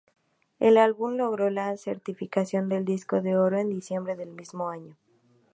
El álbum logró la certificación de disco de oro en diciembre del mismo año.